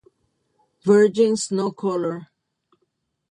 Virgin Snow Color